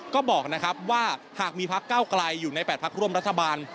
ก็บอกนะครับว่าหากมีพักเก้าไกลอยู่ใน๘พักร่วมรัฐบาล